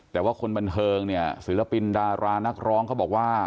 แต่ว่าคนบรรเทิงศือรภินดารานักร้องเขาบอกว่า